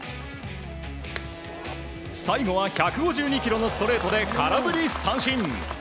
最後は１５２キロのストレートで空振り三振。